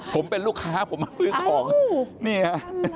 ผมเป็นลูกค้าผมมาซื้อของนี่ฮะ